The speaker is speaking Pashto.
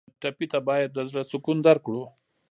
ټپي ته باید د زړه سکون درکړو.